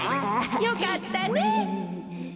よかったね。